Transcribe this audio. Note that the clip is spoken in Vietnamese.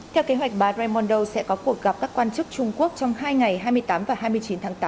theo kế hoạch bà raimondo sẽ có cuộc gặp các quan chức trung quốc trong hai ngày hai mươi tám và hai mươi chín tháng tám